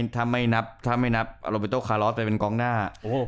ถ้าไม่นับถ้าไม่นับโลบิโตคารอสไปเป็นกองหน้า